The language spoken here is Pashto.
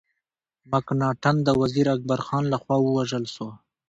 مکناټن د وزیر اکبر خان له خوا ووژل سو.